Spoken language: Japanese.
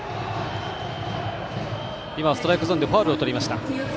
今、ストライクゾーンでファウルをとりました。